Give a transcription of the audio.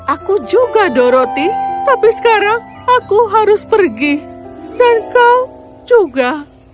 aku juga doroti tapi sekarang aku harus pergi dan kau juga